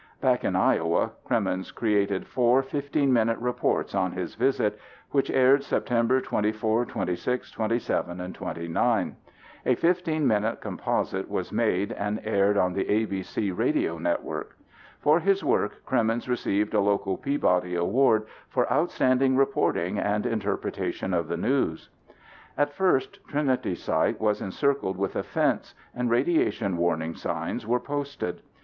Back in Iowa, Cremeens created four 15 minute reports on his visit which aired Sept. 24, 26, 27 and 29. A 15 minute composite was made and aired on the ABC Radio Network. For his work Cremeens received a local Peabody Award for "Outstanding Reporting and Interpretation of the News." At first Trinity Site was encircled with a fence and radiation warning signs were posted.